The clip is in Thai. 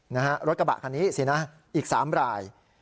นะฮะรถกระบะคันนี้สินะอีก๓ราย